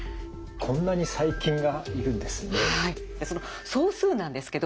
こんなに細菌がいるんですね。